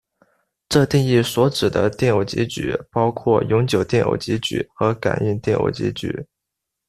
这定义所指的电偶极矩包括永久电偶极矩和感应电偶极矩。